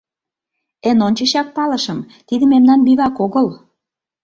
Эн ончычак палышым: тиде мемнан бивак огыл.